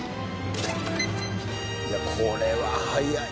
いやこれは速いよ。